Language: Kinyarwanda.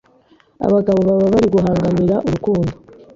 Abagabo baba bari guhanganira urukundo